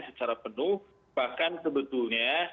secara penuh bahkan sebetulnya